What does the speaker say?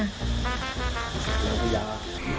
หมาพญา